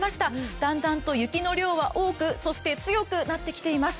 だんだんと雪の量は多くそして強くなってきています。